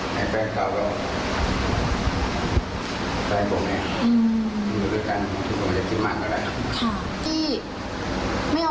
อืม